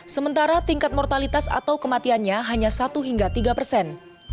sementara tingkat mortalitas atau kematiannya hanya satu hingga tiga persen